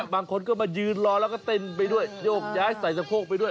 บางคนก็มายืนรอแล้วก็เต้นไปด้วยโยกย้ายใส่สะโพกไปด้วย